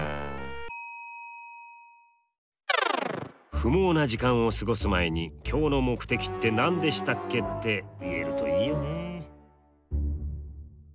不毛な時間を過ごす前に「今日の目的って何でしたっけ？」って言えるといいよね。